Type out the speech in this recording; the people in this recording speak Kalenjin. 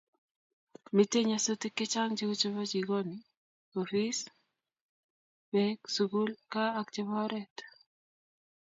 Mitei nyasutik che chang cheu chebo jikoni, ofisit, Bek, sukul, gaa ak chebo oret